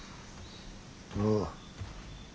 ああ。